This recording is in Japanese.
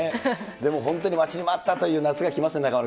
でも本当に待ちに待ったという夏が来ます。